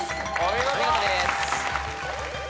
お見事です。